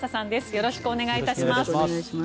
よろしくお願いします。